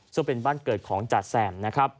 ซึ่งเป็นบ้านเกิดของจ๋าแซมนะครับ